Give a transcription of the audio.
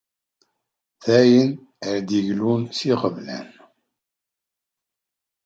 D ayen ara d-yeglun s iɣeblan.